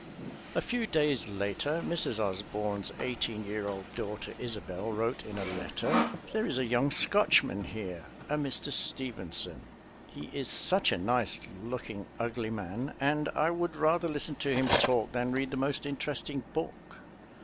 A few days later Mrs. Osbourne's eighteen year old daughter Isobel wrote in a letter: "There is a young Scotchman here, a Mr. Stevenson. He is such a nice looking ugly man, and I would rather listen to him talk than read the most interesting book....